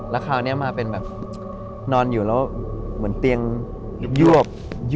แล้วคราวนี้มาเป็นแบบนอนอยู่แล้วเหมือนเตียงยวก